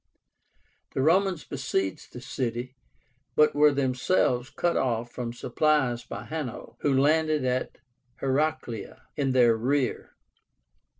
The Romans besieged the city, but were themselves cut off from supplies by Hanno, who landed at Heracléa in their rear.